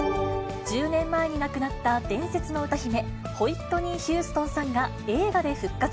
１０年前に亡くなった伝説の歌姫、ホイットニー・ヒューストンさんが映画で復活。